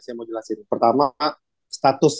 saya mau jelasin pertama status